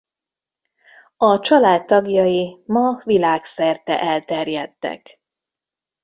A család tagjai ma világszerte elterjedtek.